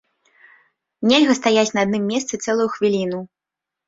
Нельга стаяць на адным месцы цэлую хвіліну.